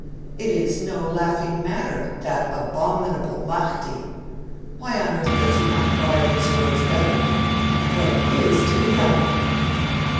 It is no laughing matter; THAT ABOMINABLE MAHDI! Why on earth does he not guard his roads better? WHAT IS to be done?'